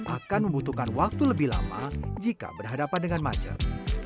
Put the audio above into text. akan membutuhkan waktu lebih lama jika berhadapan dengan macet